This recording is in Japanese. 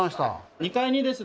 ２階にですね